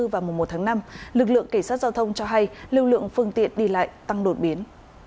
vào mùa một tháng năm lực lượng cảnh sát giao thông cho hay lưu lượng phương tiện đi lại tăng đột biến